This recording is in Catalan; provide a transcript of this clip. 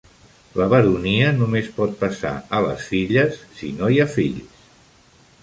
La baronia només pot passar a les filles si no hi ha fills.